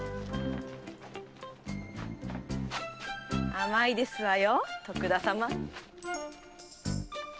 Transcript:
甘いですわよ徳田様。